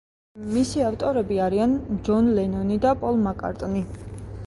მისი ავტორები არიან ჯონ ლენონი და პოლ მაკ-კარტნი.